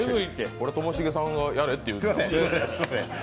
これ、ともしげさんがやれって言った。